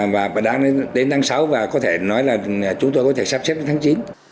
và đang đến tháng sáu và có thể nói là chúng tôi có thể sắp xếp đến tháng chín